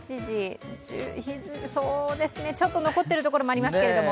そうですね、ちょっと残ってるところもありますけども。